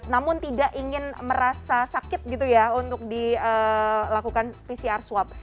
namun tidak ingin merasa sakit untuk dilakukan pcr swab